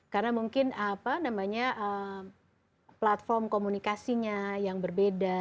karena mungkin platform komunikasinya yang berbeda